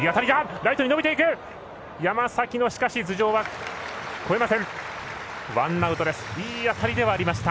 打球、山崎の頭上は越えませんでした。